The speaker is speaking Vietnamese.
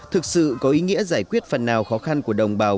thực sự có ý nghĩa giải quyết phần nào khó khăn của đồng bào